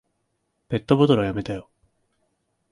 ペットボトルはやめたよ。